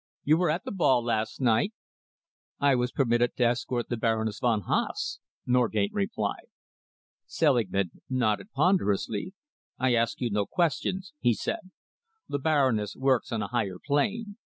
You were at the ball last night?" "I was permitted to escort the Baroness von Haase," Norgate replied. Selingman nodded ponderously. "I ask you no questions," he said. "The Baroness works on a higher plane.